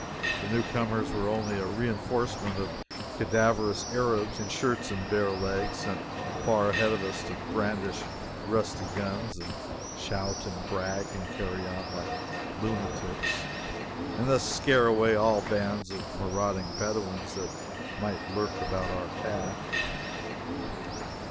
The new comers were only a reinforcement of cadaverous Arabs, in shirts and bare legs, sent far ahead of us to brandish rusty guns, and shout and brag, and carry on like lunatics, and thus scare away all bands of marauding Bedouins that might lurk about our path.